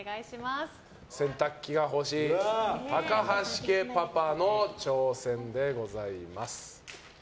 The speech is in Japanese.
洗濯機が欲しい高橋家パパの挑戦でございます。